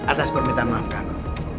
atas permintaan maaf kamu